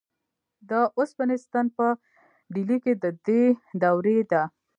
د اوسپنې ستن په ډیلي کې د دې دورې ده.